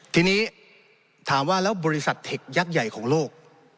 ทีนี้ถามว่าแล้วบริษัทเทคยักษ์ใหญ่ของโลก